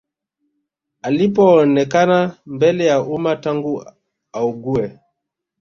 Alipoonekana mbele ya umma tangu augue